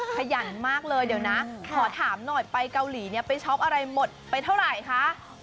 ขยันมากเลยเดี๋ยวนะขอถามหน่อยไปเกาหลีเนี่ยไปช็อปอะไรหมดไปเท่าไหร่คะ